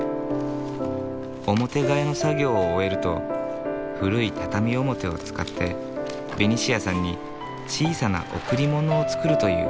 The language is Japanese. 表替えの作業を終えると古い畳表を使ってベニシアさんに小さな贈り物を作るという。